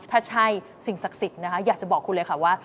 ถ้าใช่สิ่งศักดิ์สิทธิ์นะคะอยากจะบอกคุณเลยค่ะว่า